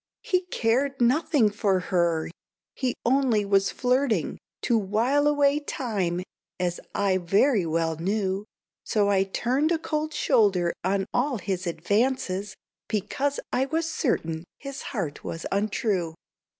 "He cared nothing for her; he only was flirting To while away time, as I very well knew; So I turned a cold shoulder on all his advances, Because I was certain his heart was untrue."